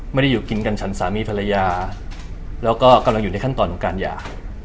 อยู่กินกันฉันสามีภรรยาแล้วก็กำลังอยู่ในขั้นตอนของการหย่า